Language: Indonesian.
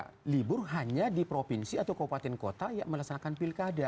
kalau bisa ya libur hanya di provinsi atau kabupaten kota ya melaksanakan pilkada